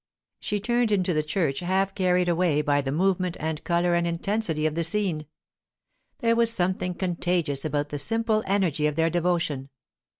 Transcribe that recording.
She turned into the church, half carried away by the movement and colour and intensity of the scene. There was something contagious about the simple energy of their devotion.